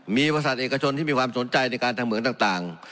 มีบริษัทเอกชนที่มีความสนใจในการทำเหมืองต่าง